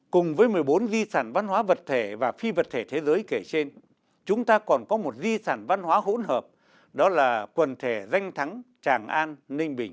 cùng với một mươi bốn di sản văn hóa vật thể và phi vật thể thế giới kể trên chúng ta còn có một di sản văn hóa hỗn hợp đó là quần thể danh thắng tràng an ninh bình